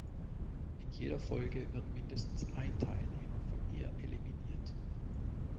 In jeder Folge wird mindestens ein Teilnehmer von ihr eliminiert.